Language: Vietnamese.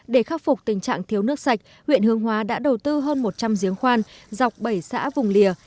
để khắc phục tình trạng thiếu nước sạch huyện hương hóa đã đầu tư hơn một trăm linh giếng khoan dọc bảy xã vùng lìa